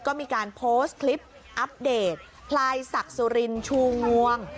ก็มีการโพสต์คลิปอัปเดตพลายศักดิ์สุรินชูงวง